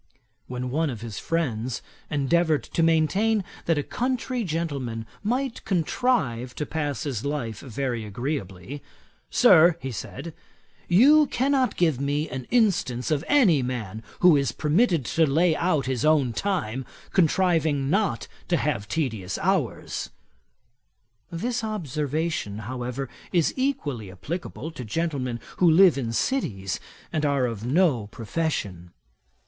When one of his friends endeavoured to maintain that a country gentleman might contrive to pass his life very agreeably, 'Sir (said he,) you cannot give me an instance of any man who is permitted to lay out his own time, contriving not to have tedious hours.' This observation, however, is equally applicable to gentlemen who live in cities, and are of no profession.